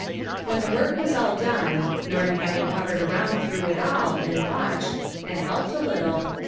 When the work was all done, Norm having hovered around through it all, and watched, and helped a little